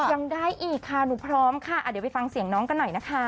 ยังได้อีกค่ะหนูพร้อมค่ะเดี๋ยวไปฟังเสียงน้องกันหน่อยนะคะ